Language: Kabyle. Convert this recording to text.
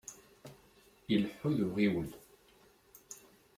Ileḥḥu d uɣiwel.